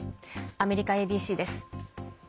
アメリカＡＢＣです。